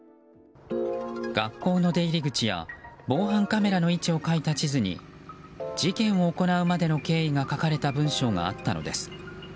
学校の出入り口や防犯カメラの位置を描いた地図に事件を行うまでの経緯が書かれた文書があったのです。